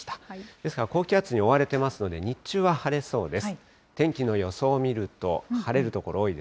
ですから、高気圧に覆われていますので、日中は晴れそうです。